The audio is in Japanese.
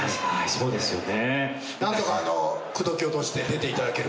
そうですね。